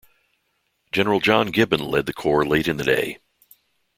General John Gibbon led the corps late in the day.